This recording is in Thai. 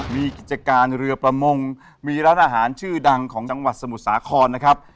มีกิจการเรือประมงมีร้านอาหารชื่อดังของจังหวัดสมุทรสาครนะครับ